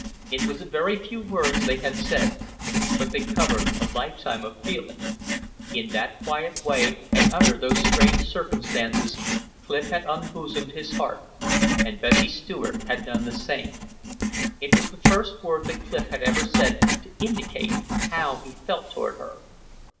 It was a very few words they had said, but they covered a lifetime of feeling. In that quiet way and under those strange circumstances Clif had unbosomed his heart; and Bessie Stuart had done the same. It was the first word that Clif had ever said to indicate how he felt toward her.